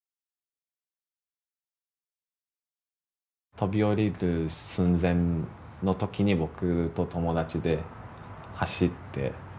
飛び降りる寸前の時に僕と友達で走って止めにいった。